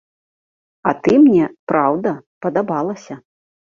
А ты мне, праўда, падабалася.